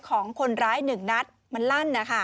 ของคนร้ายหนึ่งนัดมันลั่น